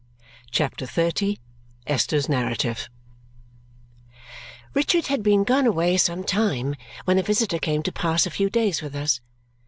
CHAPTER XXX Esther's Narrative Richard had been gone away some time when a visitor came to pass a few days with us.